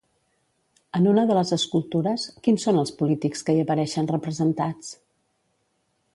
En una de les escultures, quins són els polítics que hi apareixen representats?